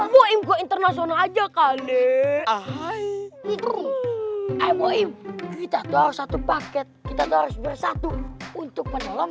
boing internasional aja kali hai itu kita tahu satu paket kita terus bersatu untuk penolong